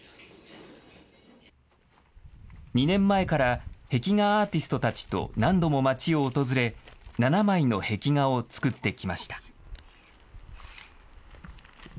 ２年前から壁画アーティストたちと何度も町を訪れ、７枚の壁画を作ってきました。